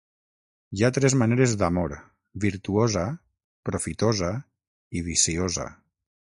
Hi ha tres maneres d'amor: virtuosa, profitosa i viciosa.